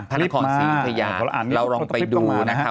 พนักของศรีอุทยาเราลองไปดูนะคะ